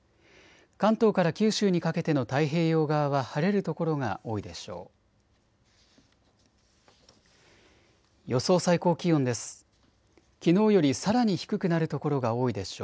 関東から九州にかけての太平洋側は晴れる所が多いでしょう。